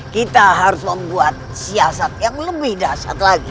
kita harus membuat siasat yang lebih dasar lagi